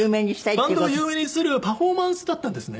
バンドを有名にするパフォーマンスだったんですね。